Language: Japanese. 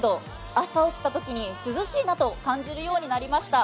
朝起きたときに涼しいなと感じるようになりました。